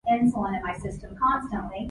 This version is included on "Pulse".